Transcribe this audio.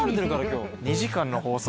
２時間の放送